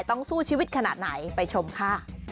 ต้องสู้ชีวิตขนาดไหนไปชมค่ะ